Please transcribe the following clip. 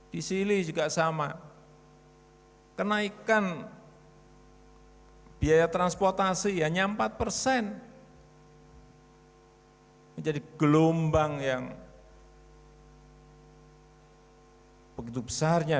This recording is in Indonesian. di sini juga sama kenaikan biaya transportasi hanya empat persen menjadi gelombang yang begitu besarnya